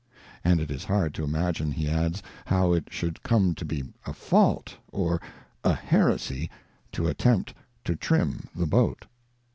And it is hard to imagine, he adds, how it should come to be a fault, or a heresy, to attempt to trim the boat.